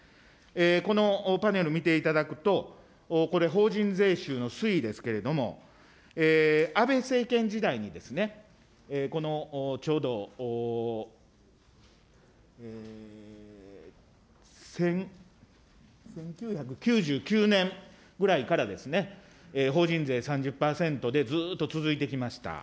このパネル見ていただくと、これ、法人税収の推移ですけれども、安倍政権時代に、このちょうど１９９９年ぐらいからですね、法人税３０％でずっと続いてきました。